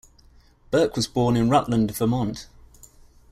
Burke was born in Rutland, Vermont.